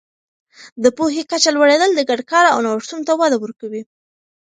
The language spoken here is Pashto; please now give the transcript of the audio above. د پوهې کچه لوړېدل د ګډ کار او نوښتونو ته وده ورکوي.